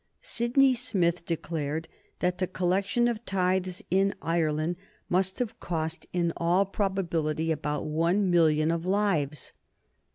Sydney Smith declared that the collection of tithes in Ireland must have cost in all probability about one million of lives.